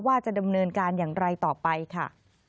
ว่าจะดำเนินการอย่างไรต่อไปค่ะ